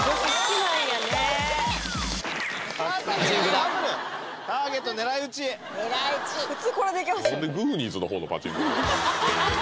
なんで「グーニーズ」のほうのパチンコ？